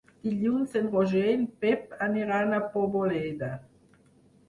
Dilluns en Roger i en Pep aniran a Poboleda.